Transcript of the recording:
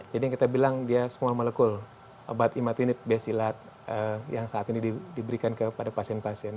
jadi yang kita bilang dia semua molekul obat imatinib besilat yang saat ini diberikan kepada pasien pasien